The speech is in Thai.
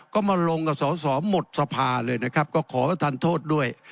ก็มาลงกับสอสอหมดสภาเลยนะครับก็ขอประทานโทษด้วย